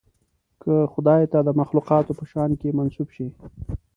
که خدای ته د مخلوقاتو په شأن کې منسوب شي.